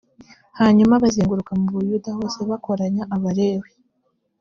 hanyuma bazenguruka mu buyuda hose bakoranya abalewi.